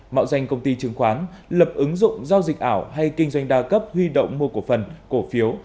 mạo danh công ty chứng khoán lập ứng dụng giao dịch ảo hay kinh doanh đa cấp huy động mua cổ phần cổ phiếu